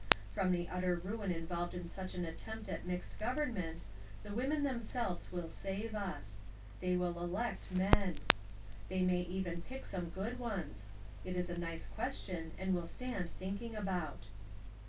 From the utter ruin involved in such an attempt at mixed government, the women themselves will save us. They will elect men. They may even pick some good ones. It is a nice question and will stand thinking about.